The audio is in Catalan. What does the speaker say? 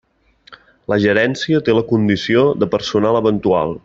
La Gerència té la condició de personal eventual.